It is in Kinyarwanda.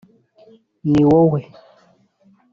Ni wowe